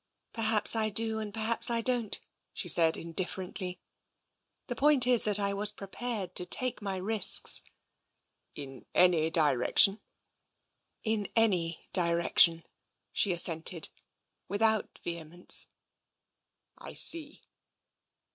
'* Perhaps I do and perhaps I don't," she said in differently. " The point is, that I was prepared to take my risks." " In any direction?" In any direction," she assented, without vehemence. " I see."